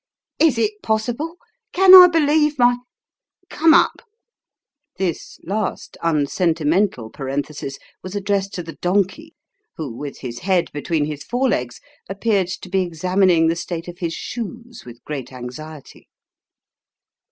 " Is it possible ! can I believe my Come up !" (This last unsentimental parenthesis was addressed to the donkey, who with his head between his fore legs, appeared to be examining the state of his shoes with great anxiety.)